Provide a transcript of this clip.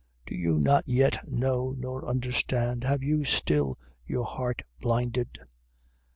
Do you not yet know nor understand? Have you still your heart blinded?